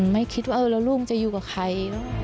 ไม่คิดว่าเออแล้วลูกจะอยู่กับใคร